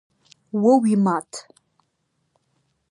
О уимат.